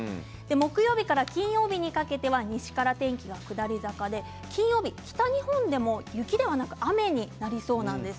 木曜日から金曜日にかけては西から天気が下り坂で金曜日、北日本でも雪ではなく雨になりそうなんです。